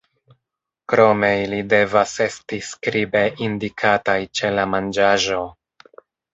Krome ili devas esti skribe indikataj ĉe la manĝaĵo.